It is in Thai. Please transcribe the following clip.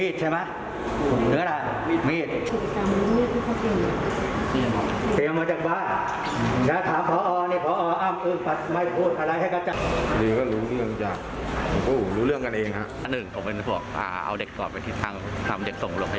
ทำเด็กส่งโรงพยาบาล